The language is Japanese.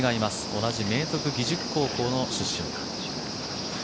同じ明徳義塾区高校の出身。